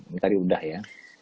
ini tadi udah ya